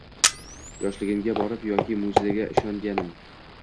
Yoshligimga borib yoki mo‘jizaga ishonganim.